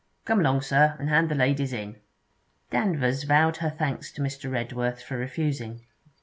Come along, sir, and hand the ladies in.' Danvers vowed her thanks to Mr. Redworth for refusing.